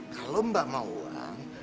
kalau mbak mau uang